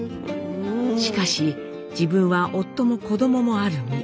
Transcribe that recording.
しかし自分は夫も子どももある身。